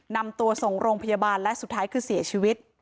นำตัวส่งโรงพยาบาลและสุดท้ายคือเสียชีวิต